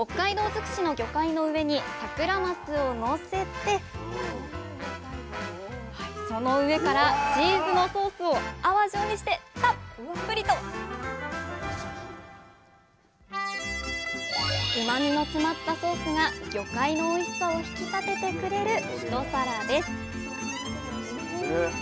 づくしの魚介の上にサクラマスをのせてその上からチーズのソースを泡状にしてたっぷりとうまみの詰まったソースが魚介のおいしさを引き立ててくれる一皿です